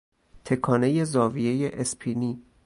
تکانهی زاویهی اسپینی